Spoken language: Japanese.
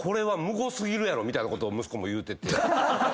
みたいなことを息子も言うてて。